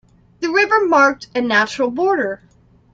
The river marked a natural border.